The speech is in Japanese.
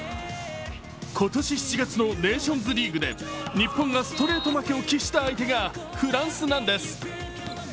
今年７月のネーションズリーグで日本がストレート負けを喫した相手がフランスなんです。